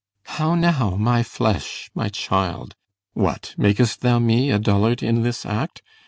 How now, my flesh? my child? What, mak'st thou me a dullard in this act?